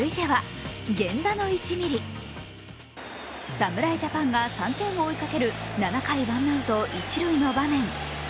侍ジャパンが３点を追いかける７回ワンアウト一塁の場面。